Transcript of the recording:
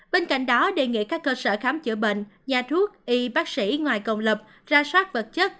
bên cạnh đó đề nghị các cơ sở khám chữa bệnh nhà thuốc y bác sĩ ngoài công lập ra soát vật chất